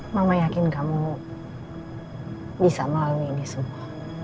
mama yakin kamu bisa melalui ini semua